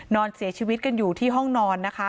นอนเสียชีวิตกันอยู่ที่ห้องนอนนะคะ